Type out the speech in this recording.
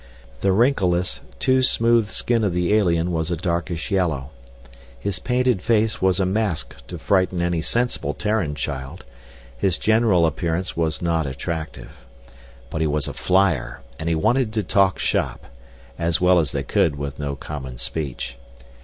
The wrinkleless, too smooth skin of the alien was a darkish yellow. His painted face was a mask to frighten any sensible Terran child; his general appearance was not attractive. But he was a flyer, and he wanted to talk shop, as well as they could with no common speech.